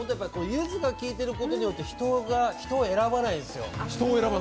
ゆずが効いてることによって、人を選ばないんですよ。